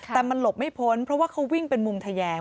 แต่มันหลบไม่พ้นเพราะว่าเขาวิ่งเป็นมุมทะแยง